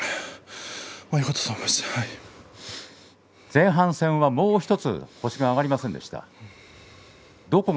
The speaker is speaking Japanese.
前半戦はもうひとつ星が挙がりませんでした。